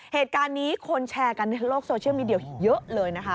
เหตุการณ์นี้คนแชร์กันในโลกโซเชียลมีเดียเยอะเลยนะคะ